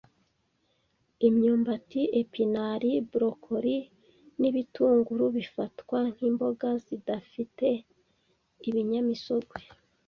Imyumbati, epinari, broccoli n'ibitunguru bifatwa nk'imboga zidafite ibinyamisogwe.